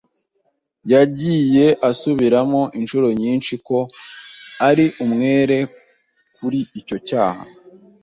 Yagiye asubiramo inshuro nyinshi ko ari umwere kuri icyo cyaha.